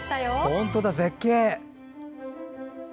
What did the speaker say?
本当だ、絶景！